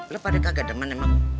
lu pada kagak demen emang